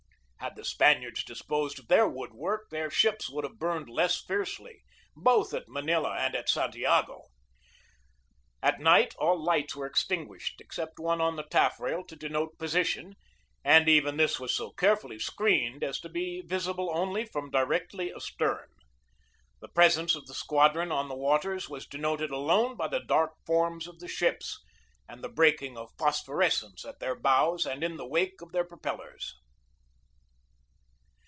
Had the Spaniards dis posed of their wood work their ships would have burned less fiercely both at Manila and at Santiago. At night all lights were extinguished except one on the taffrail to denote position, and even this was so carefully screened as to be visible only from directly astern. The presence of the squadron on the waters was denoted alone by the dark forms of the ships and the breaking of phosphorescence at their bows and in the wake of their propellers.